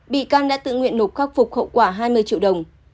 bị căn đã tự nguyện nộp khắc phục khẩu quả hai mươi triệu đồng